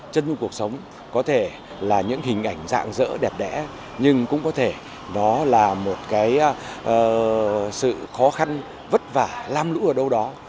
chân nhu cuộc sống có thể là những hình ảnh dạng dỡ đẹp đẽ nhưng cũng có thể đó là một cái sự khó khăn vất vả lam lũ ở đâu đó